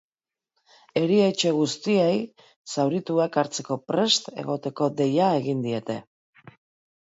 Erietxe guztiei zaurituak hartzeko prest egoteko deia egin diete.